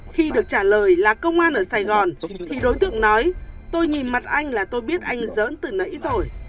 khi được trả lời là công an ở sài gòn thì đối tượng nói tôi nhìn mặt anh là tôi biết anh dỡn từ nãy rồi